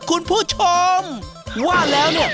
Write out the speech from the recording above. คุณผู้ชมว่าแล้วเนี่ย